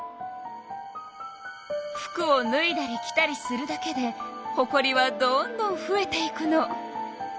服をぬいだり着たりするだけでほこりはどんどんふえていくの。